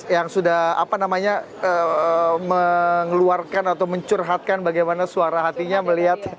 yang sudah mengeluarkan atau mencurhatkan bagaimana suara hatinya melihat